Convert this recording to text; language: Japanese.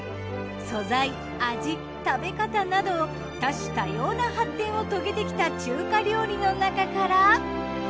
素材味食べ方など多種多様な発展を遂げてきた中華料理のなかから。